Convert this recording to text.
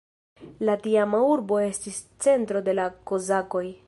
La tiama urbo estis centro de la kozakoj.